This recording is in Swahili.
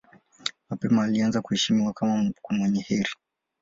Mapema alianza kuheshimiwa kama mwenye heri.